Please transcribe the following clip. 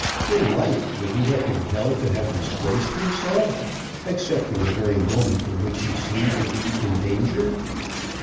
In life would he have been held to have disgraced himself, except in the very moment in which he seemed to be in danger?